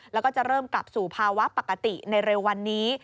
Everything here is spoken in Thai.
แล้วก็จะเริ่มกลับสู่ภาวะปกติในเร็ววันนี้